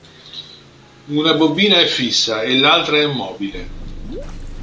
Una bobina è fissa l'altra è mobile.